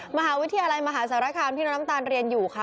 มหาวิทยาลัยมหาสารคามที่น้องน้ำตาลเรียนอยู่ค่ะ